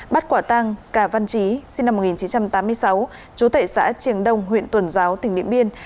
bắt quả tăng cà văn trí sinh năm một nghìn chín trăm tám mươi sáu chú tệ xã triềng đông huyện tuần giáo tỉnh điện biên